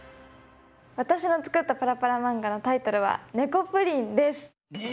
私の作ったパラパラ漫画のタイトルは「ねこぷりん」です。